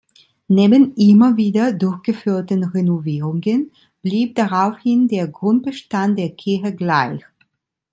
Neben immer wieder durchgeführten Renovierungen blieb daraufhin der Grundbestand der Kirche gleich.